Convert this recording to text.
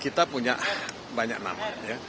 kita punya banyak nama